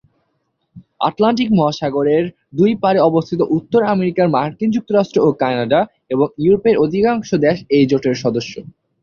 Atlantic মহাসাগরের দুই পাড়ে অবস্থিত উত্তর আমেরিকার মার্কিন যুক্তরাষ্ট্র ও কানাডা এবং ইউরোপের অধিকাংশ দেশ এই জোটের সদস্য।